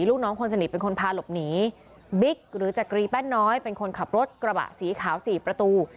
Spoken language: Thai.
ลูกน้องคนสนิทเป็นคนพาหลบหนีบิ๊กหรือจักรีแป้นน้อยเป็นคนขับรถกระบะสีขาวสี่ประตู